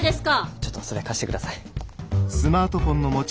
ちょっとそれ貸して下さい。